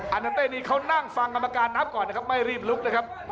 อันนั้นเต้นี้เขานั่งฟังกรรมการนับก่อนนะครับไม่รีบลุกนะครับ